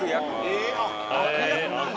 ええあっ悪役なんだ。